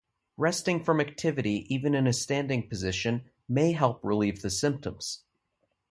Resting from activity even in a standing position may help relieve the symptoms.